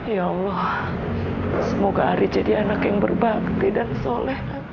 ya allah semoga ari jadi anak yang berbakti dan soleh